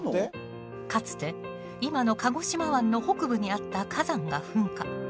かつて今の鹿児島湾の北部にあった火山が噴火。